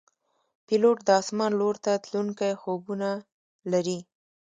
پیلوټ د آسمان لور ته تلونکي خوبونه لري.